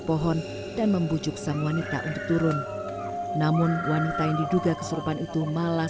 pohon dan membujuk sang wanita untuk turun namun wanita yang diduga kesurupan itu malah